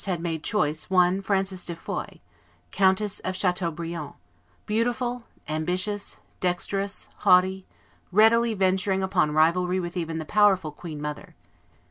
had made choice one, Frances de Foix, countess of Chateaubriant, beautiful ambitious, dexterous, haughty, readily venturing upon rivalry with even the powerful queen mother.